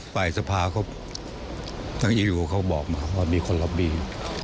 ใครจากคนจะเป็นล็อบบี้